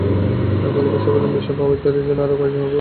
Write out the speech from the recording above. ফলে ভিসা আবেদন, ভিসা পাওয়া ইত্যাদির জন্য আরও কয়েক দিন লাগবে।